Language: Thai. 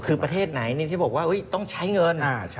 คือประเทศไหนที่บอกว่าต้องใช้เงิน